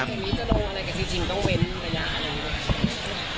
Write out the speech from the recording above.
แล้วทีนี้จะลงอะไรกับซีจิมต้องเว้นระยะอะไรหรือเปล่า